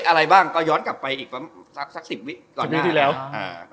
อะไรบ้างก็ย้อนกลับไปอีกสัก๑๐วิตีปกันมากรายงานหน้า